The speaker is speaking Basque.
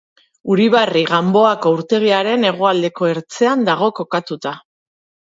Uribarri Ganboako urtegiaren hegoaldeko ertzean dago kokatuta.